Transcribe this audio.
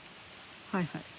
はいはい。